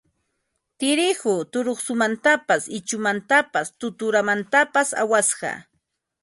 Tirihu turuqsumantapas ichumantapas tuturamantapas awasqa